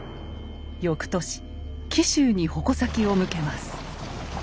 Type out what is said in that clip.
翌年紀州に矛先を向けます。